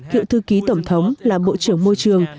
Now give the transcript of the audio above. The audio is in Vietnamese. cựu thư ký tổng thống là bộ trưởng môi trường